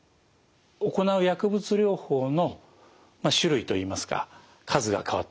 行う薬物療法の種類といいますか数が変わったんですね。